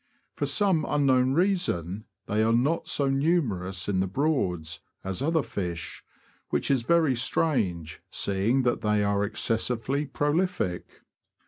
For some unknown reason, they are not so numerous in the Broads as other fish, which is very strange, seeing that they are ex cessively prolific.